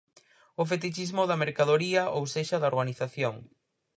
O fetichismo da mercadoría, ou sexa, da organización.